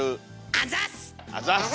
あざっす！